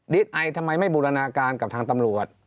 ไอทำไมไม่บูรณาการกับทางตำรวจ